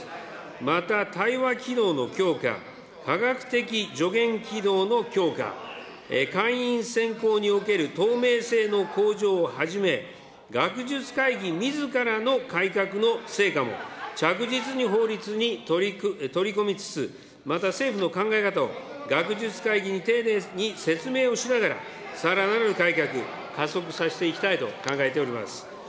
また対話機能の強化、科学的助言きどうの強化、会員選考における透明性の向上をはじめ、学術会議みずからの改革の成果も着実に法律に取り込みつつ、また政府の考え方を学術会議に丁寧に説明をしながら、さらなる改革、加速させいきたいと考えております。